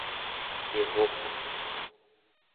iruq